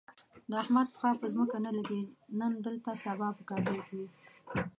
د احمد پښه په ځمکه نه لږي، نن دلته سبا په کابل وي.